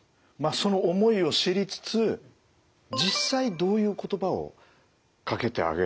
その思いを知りつつ実際どういう言葉をかけてあげられるといいんですかね？